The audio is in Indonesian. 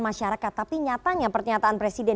masyarakat tapi nyatanya pernyataan presiden